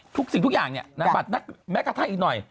สิ่งทุกอย่างเนี่ยแม้กระทั่งอีกหน่อย